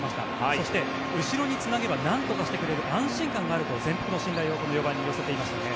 そして、後ろにつなげばなんとかしてくれる安心感があると全幅の信頼を寄せていましたね。